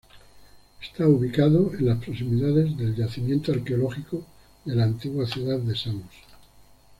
Está ubicado en las proximidades del yacimiento arqueológico de la antigua ciudad de Samos.